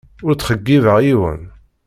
Ur ttxeyyibeɣ yiwen.